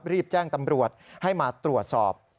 รีบแจ้งตำรวจให้มาตรวจสอบ